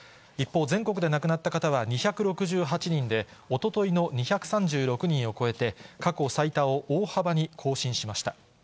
一方、全国で亡くなった方は２６８人で、おとといの２３６人を超えて、過去最多を大幅に更新しました。